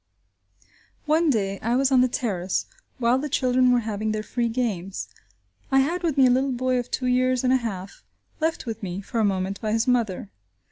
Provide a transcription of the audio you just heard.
One day I was on the terrace while the children were having their free games; I had with me a little boy of two years and a half left with me, for a moment, by his mother.